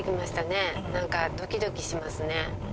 何かドキドキしますね。